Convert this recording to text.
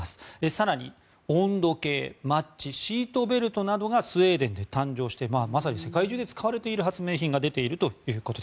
更に、温度計、マッチシートベルトなどがスウェーデンで誕生してまさに世界中で使われている発明品が出ていると。